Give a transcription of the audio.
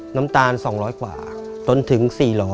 น้ำตาล๒๐๐กว่าจนถึง๔๐๐